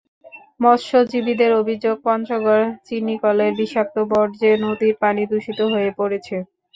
মৎস্যজীবীদের অভিযোগ, পঞ্চগড় চিনিকলের বিষাক্ত বর্জ্যে নদীর পানি দূষিত হয়ে পড়েছে।